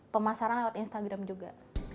pemasaran lewat instagram juga